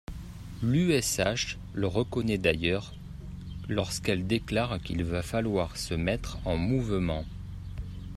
L’USH le reconnaît d’ailleurs lorsqu’elle déclare qu’il va falloir se mettre en mouvement.